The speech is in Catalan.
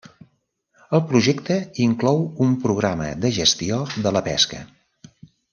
El projecte inclou un programa de gestió de la pesca.